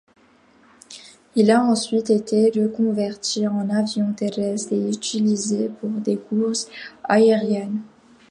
Il a ensuite été reconverti en avion terrestre et utilisé pour des courses aériennes.